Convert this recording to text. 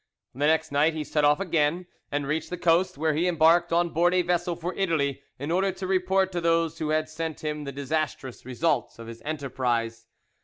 The next night he set off again, and reached the coast, where he embarked on board a vessel for Italy, in order to report to those who had sent him the disastrous result of his enterprise.